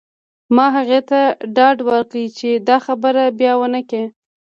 ما هغې ته ډاډ ورکړ چې دا خبره بیا ونه کړې